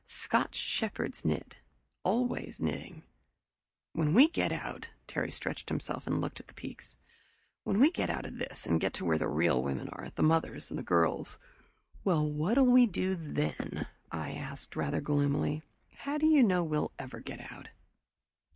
"Scotch shepherds knit always knitting." "When we get out " Terry stretched himself and looked at the far peaks, "when we get out of this and get to where the real women are the mothers, and the girls " "Well, what'll we do then?" I asked, rather gloomily. "How do you know we'll ever get out?"